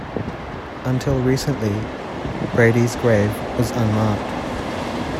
Until recently, Brady's grave was unmarked.